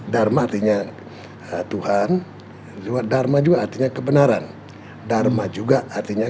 yang mampu kata kuncinya lah yang bisa menegakkan romani jadi kan prejudice kebenaran dharma makanya